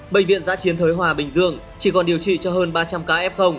bệnh viện giã chiến thới hòa bình dương chỉ còn điều trị cho hơn ba trăm linh ca f